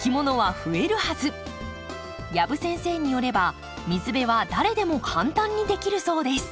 養父先生によれば水辺は誰でも簡単にできるそうです。